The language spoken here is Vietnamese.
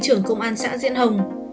trưởng công an xã diễn hồng